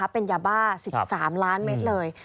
เป็นยาบ้า๑๓ล้านเมตรเลย